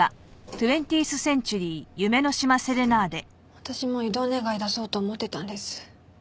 私も異動願出そうと思ってたんです。